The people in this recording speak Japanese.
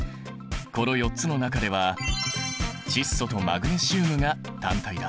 この４つの中では窒素とマグネシウムが単体だ。